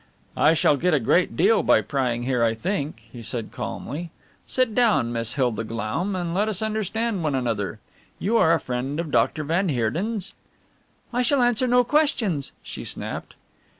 "I shall get a great deal by prying here, I think," he said calmly. "Sit down, Miss Hilda Glaum, and let us understand one another. You are a friend of Doctor van Heerden's?" "I shall answer no questions," she snapped.